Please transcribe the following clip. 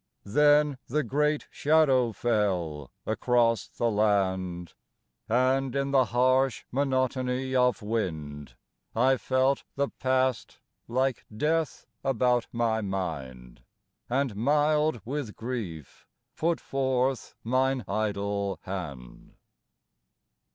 Then the great shadow fell across the land, And in the harsh monotony of wind I felt the past like Death about my mind, And mild with grief put forth mine idle hand.